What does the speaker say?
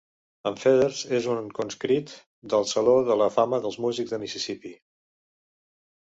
En Feathers és un conscrit del Saló de la fama dels músics de Mississippi.